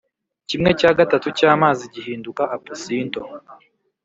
Kimwe cya gatatu cy’amazi gihinduka apusinto,